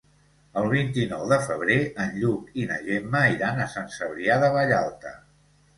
El vint-i-nou de febrer en Lluc i na Gemma iran a Sant Cebrià de Vallalta.